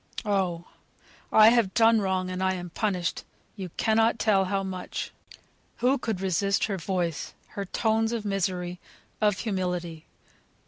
Oh! I have done wrong, and I am punished; you cannot tell how much." Who could resist her voice, her tones of misery, of humility?